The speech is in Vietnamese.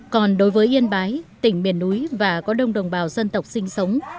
còn đối với yên bái tỉnh miền núi và có đông đồng bào dân tộc sinh sống